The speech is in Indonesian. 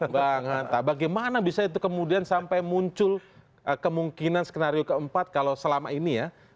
bang hanta bagaimana bisa itu kemudian sampai muncul kemungkinan skenario keempat kalau selama ini ya